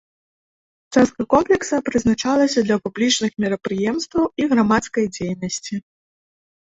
Частка комплекса прызначалася для публічных мерапрыемстваў і грамадскай дзейнасці.